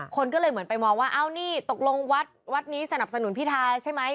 คนก็เหมือนไปมองว่าตกลงวัดนี้สำนับสนุนพิทราใช่ไหม